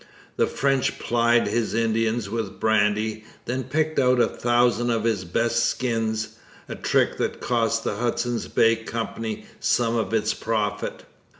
The French plied his Indians with brandy, then picked out a thousand of his best skins, a trick that cost the Hudson's Bay Company some of its profit.